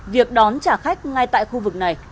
việc đón trả khách ngay tại khu vực này